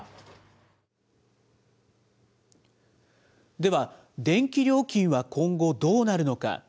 では、電気料金は今後、どうなるのか。